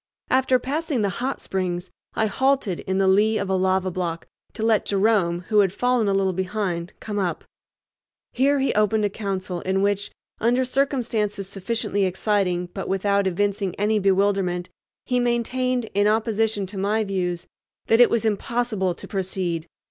After passing the "Hot Springs" I halted in the lee of a lava block to let Jerome, who had fallen a little behind, come up. Here he opened a council in which, under circumstances sufficiently exciting but without evincing any bewilderment, he maintained, in opposition to my views, that it was impossible to proceed.